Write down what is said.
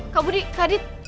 kak budi kak adit